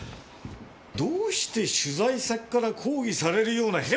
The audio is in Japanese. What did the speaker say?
どうして取材先から抗議されるようなヘマを！